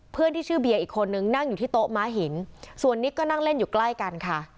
เพื่อนที่ชื่อเบียร์อีกคนนึงนั่งอยู่ที่โต๊ะม้าหินส่วนนิกก็นั่งเล่นอยู่ใกล้กันค่ะ